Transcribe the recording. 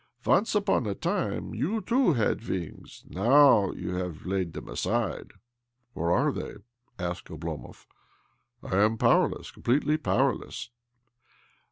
Once upon s time you too had wings. Now you have laic them aside." " Where are they? " asked Oblomov. " 1 am powerless, completely powerless."